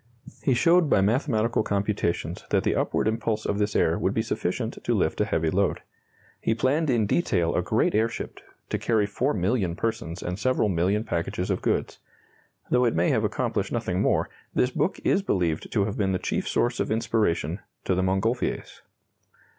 He showed by mathematical computations that the upward impulse of this air would be sufficient to lift a heavy load. He planned in detail a great airship to carry 4,000,000 persons and several million packages of goods. Though it may have accomplished nothing more, this book is believed to have been the chief source of inspiration to the Montgolfiers.